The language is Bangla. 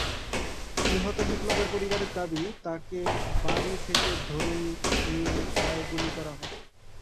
নিহত বিপ্লবের পরিবারের দাবি, তাঁকে বাড়ি থেকে ধরে নিয়ে পায়ে গুলি করা হয়।